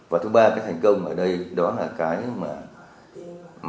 và thứ ba là sự đánh đạo quyết niệm của bộ ngoan đặc biệt của thứ trưởng bộ ngoan lê bíu vương